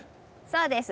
そうです。